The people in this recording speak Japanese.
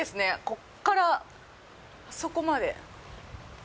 ここからあそこまで。